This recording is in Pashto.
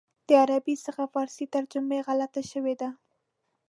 د عربي څخه فارسي ترجمه غلطه شوې ده.